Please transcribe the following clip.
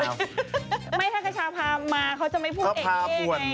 ไม่ถ้าขชาพามาเขาจะไม่พูดเอกเท่ไง